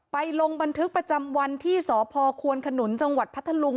ลงบันทึกประจำวันที่สพควนขนุนจังหวัดพัทธลุง